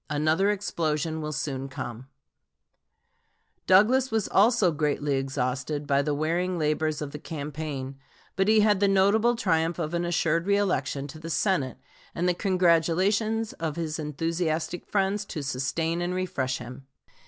Another explosion will soon come." 1858. Douglas was also greatly exhausted by the wearing labors of the campaign; but he had the notable triumph of an assured reëlection to the Senate and the congratulations of his enthusiastic friends to sustain and refresh him.